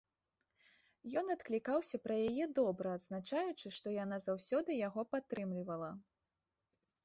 Ён адклікаўся пра яе добра, адзначаючы, што яна заўсёды яго падтрымлівала.